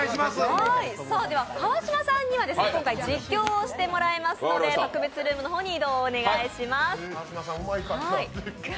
川島さんには、今回実況をしてもらいますので、特別ルームの方に移動をお願いします。